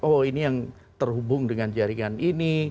oh ini yang terhubung dengan jaringan ini